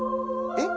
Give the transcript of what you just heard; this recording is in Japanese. えっ！？